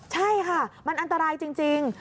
ใช่ค่ะมันอันตรายจริง